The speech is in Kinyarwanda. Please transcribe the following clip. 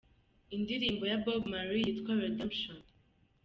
ndirimbo ya "Bob Marley" yitwa "Redemption".